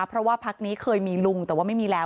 เพราะว่าพักนี้เคยมีลุงแต่ว่าไม่มีแล้ว